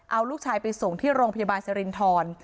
เอาลูกชายไปส่งที่โรงพยาบาลสิรินทร